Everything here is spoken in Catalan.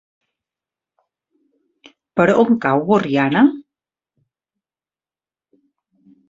Per on cau Borriana?